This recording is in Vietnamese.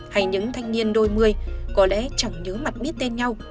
hay những thanh niên đôi mươi có lẽ chẳng nhớ mặt biết tên nhau